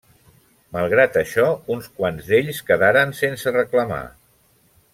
Malgrat això, uns quants d'ells quedaren sense reclamar.